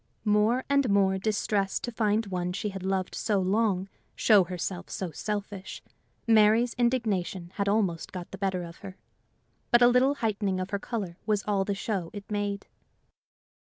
More and more distressed to find one she had loved so long show herself so selfish, Mary's indignation had almost got the better of her. But a little heightening of her color was all the show it made.